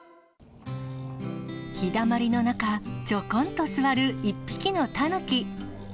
日だまりの中、ちょこんと座る１匹のタヌキ。